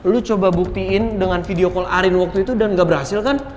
lu coba buktiin dengan video call arin waktu itu dan gak berhasil kan